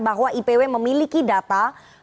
bahwa ipw memiliki data